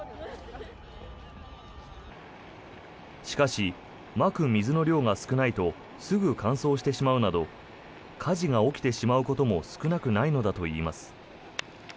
しかし、まく水の量が少ないとすぐ乾燥してしまうなど火事が起きてしまうことも少なくないのだといいます。